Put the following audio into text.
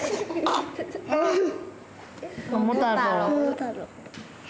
桃太郎。も。